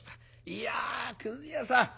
「いやくず屋さん